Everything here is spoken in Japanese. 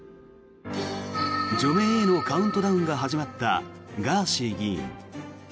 除名へのカウントダウンが始まったガーシー議員。